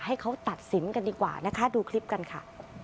ให้เขาตัดสินกันดีกว่านะคะดูคลิปกันค่ะ